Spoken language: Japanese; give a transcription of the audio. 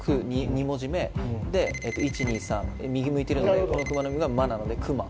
２文字目で１２３右向いてるのでこのクマノミが「マ」なので「クマ」